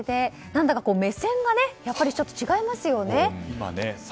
何だか目線がやっぱり違いますよね。